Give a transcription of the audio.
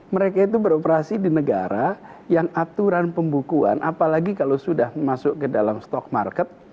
mereka itu beroperasi di negara yang aturan pembukuan apalagi kalau sudah masuk ke dalam stock market